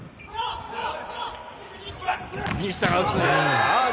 西田が打つ！